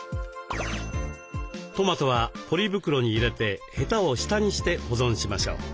トマトはポリ袋に入れてヘタを下にして保存しましょう。